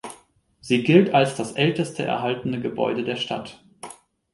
Sie gilt als das älteste erhaltene Gebäude der Stadt.